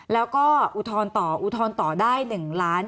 แล้วก็อุทรต่ออุทรต่อได้๑ล้าน๗๐๐๐๐๐